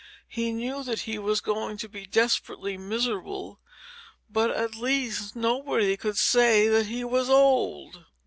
He knew that he was going to be desperately miserable; but, at least, nobody could say that he was old.